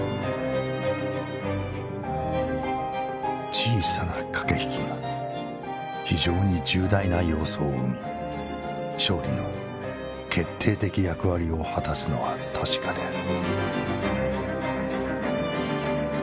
「小さな掛引きが非常に重大な要素を生み勝利の決定的役割を果すのは確かである」。